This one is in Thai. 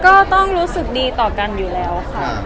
ก็ต้องรู้สึกดีต่อกันอยู่แล้วค่ะ